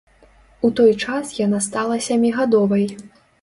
У той час яна стала сямігадовай.